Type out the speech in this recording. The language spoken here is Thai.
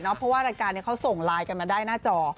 เพราะว่ารายการนี้เขาส่งไลน์กันมาได้หน้าจอ